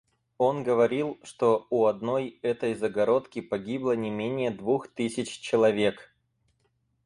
Он говорил, что у одной этой загородки погибло не менее двух тысяч человек.